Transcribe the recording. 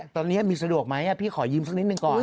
ตอนนี้มีสะดวกไหมพี่ขอยืมสักนิดหนึ่งก่อน